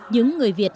những người việt